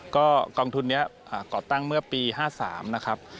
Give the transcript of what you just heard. ก็กองทุนนี้ก่อตั้งเมื่อปี๕๓นะครับ